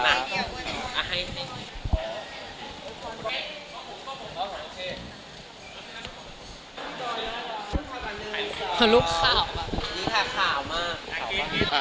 นี่ค่ะขาวมากผ่านเต้นไปเลยนะครับ